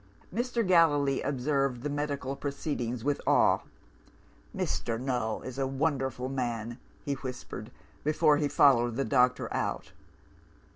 "Mr. Gallilee observed the medical proceedings with awe. 'Mr. Null is a wonderful man,' he whispered, before he followed the doctor out.